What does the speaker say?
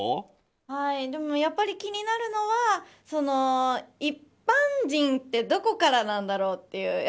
やっぱり気になるのは一般人ってどこからなんだろうっていう。